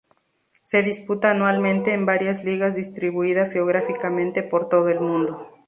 Se disputa anualmente en varias ligas distribuidas geográficamente por todo el mundo.